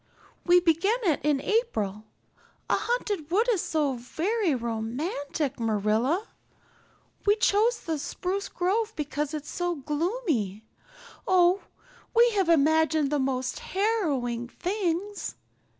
We began it in April. A haunted wood is so very romantic, Marilla. We chose the spruce grove because it's so gloomy. Oh, we have imagined the most harrowing things.